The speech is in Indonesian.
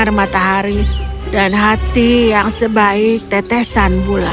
alice dikatakan sebagai orang yang paling baik hati yang ada di dunia